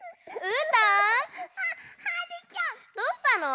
えどうしたの？